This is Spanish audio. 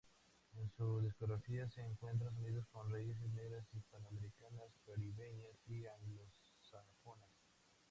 En su discografía se encuentran sonidos con raíces negras, hispanoamericanas, caribeñas y anglosajonas.